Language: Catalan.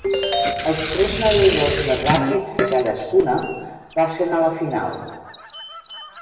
Els tres nedadors més ràpids de cadascuna passen a la final.